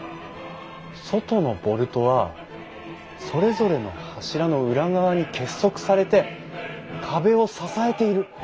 外のボルトはそれぞれの柱の裏側に結束されて壁を支えている。